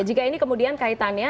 jika ini kemudian kaitannya